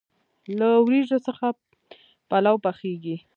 له وریجو څخه پلو پخیږي.